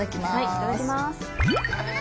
いただきます。